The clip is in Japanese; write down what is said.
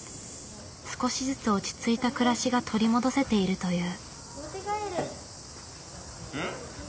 少しずつ落ち着いた暮らしが取り戻せているという。